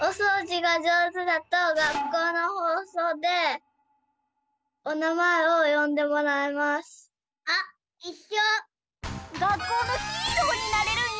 がっこうのヒーローになれるんや！